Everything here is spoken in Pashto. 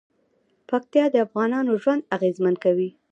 پکتیا د افغانانو ژوند اغېزمن کوي.